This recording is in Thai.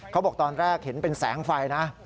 เขาบอกตอนแรกเห็นเป็นแสงไฟนะ